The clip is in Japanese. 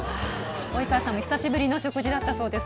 及川さんも久しぶりの食事だったそうです。